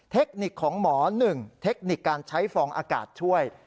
เทคนิคของหมอ๑เทคนิคการใช้ฟองอากาศช่วย